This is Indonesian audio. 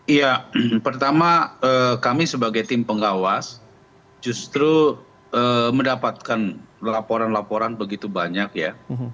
iya pertama kami sebagai tim pengawas justru mendapatkan laporan laporan begitu banyak ya